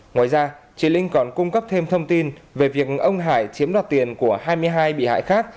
ngoài ra chị linh còn cung cấp thêm thông tin về việc ông hải chiếm đoạt tiền của hai mươi hai bị hại khác